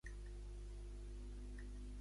Com defineix Junts per Catalunya?